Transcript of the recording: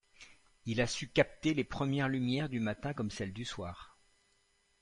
Il a su capter les premières lumières du matin comme celles du soir.